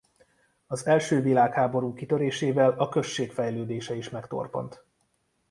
Az első világháború kitörésével a község fejlődése is megtorpant.